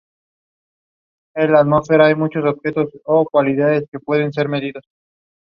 These two concepts formed the central theme of "Epiphany".